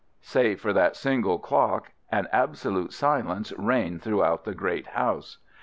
Save for that single clock, an absolute silence reigned throughout the great house.